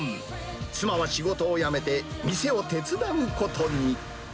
妻は仕事を辞めて店を手伝うことに。